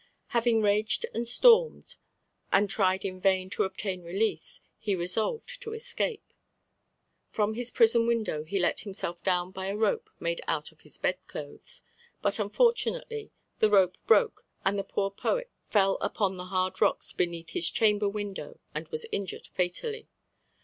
Having raged and stormed, and tried in vain to obtain release, he resolved to escape. From his prison window he let himself down by a rope made out of his bed clothes, but unfortunately the rope broke and the poor poet fell upon the hard rocks beneath his chamber window and was injured fatally.